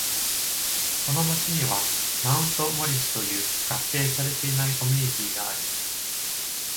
その町にはマウント・モリスという合併されていないコミュニティがある。